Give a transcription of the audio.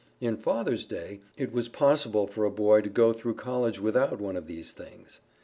In Father's day, it was possible for a boy to go through College without one of these things.